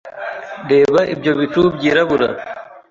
Reba ibyo bicu byirabura.